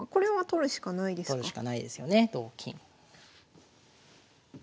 取るしかないですよね同金。